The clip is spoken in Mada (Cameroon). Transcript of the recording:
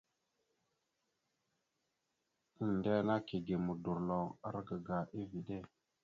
Endena kige modorloŋ argaga eveɗe.